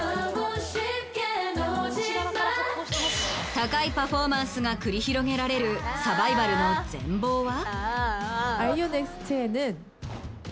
高いパフォーマンスが繰り広げられるサバイバルの全貌は？